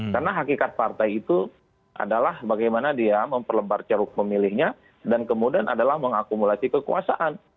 karena hakikat partai itu adalah bagaimana dia memperlebar ceruk pemilihnya dan kemudian adalah mengakumulasi kekuasaan